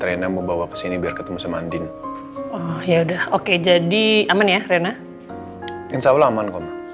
renan membawa kesini biar ketemu sama andin ya udah oke jadi aman ya rena insya allah aman